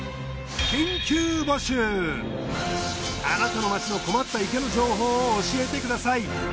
あなたの街の困った池の情報を教えてください。